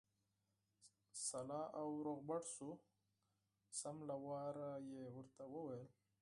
سلا او روغبړ شو، سم له واره یې ورته وویل.